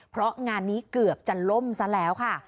เพราะงานนี้เกือบจะล่มซะแล้วค่ะ